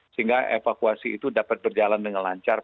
sehingga evakuasi itu dapat berjalan dengan lancar